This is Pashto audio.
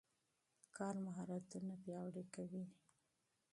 کار مهارتونه پیاوړي کوي.